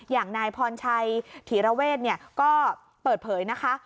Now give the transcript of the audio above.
อย่างนายพรชัยถีระเวทก็เปิดเผยนะคะ